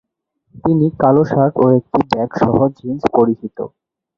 তিনি কালো টি-শার্ট ও একটি ব্যাগ সহ জিন্স পরিহিত।